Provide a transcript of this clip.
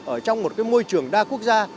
ở trong một cái môi trường đa quốc gia